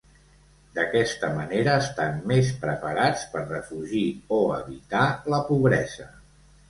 D'aquesta manera, estan més preparats per defugir o evitar la pobresa.